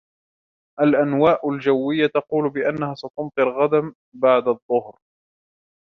الانواء الجوية تقول بانها ستمطر غدا بعد الظهر.